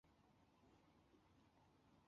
凶杀案是指涉及死体的案件。